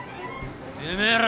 てめえら。